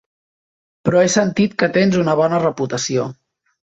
Però he sentit que tens una bona reputació.